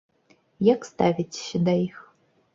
Як ставіцеся да іх?